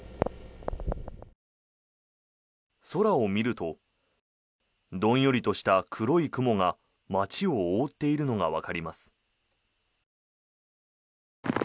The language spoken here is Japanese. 空を見るとどんよりとした黒い雲が街を覆っているのがわかります。